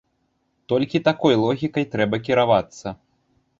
Толькі такой логікай трэба кіравацца.